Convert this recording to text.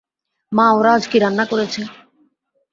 মা, ওরা আজ কী রান্না করেছে?